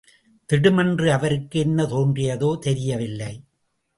திடுமென்று அவருக்கு என்ன தோன்றியதோ தெரியவில்லை!